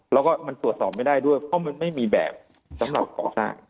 แล้วก็มันตรวจสอบไม่ได้ด้วยเพราะมันไม่มีแบบสำหรับก่อสร้าง